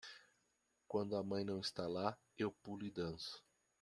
Quando a mãe não está lá, eu pulo e danço.